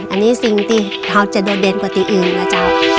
อันนี้สิ่งที่เราจะโดดเด่นกว่าที่อื่นนะเจ้า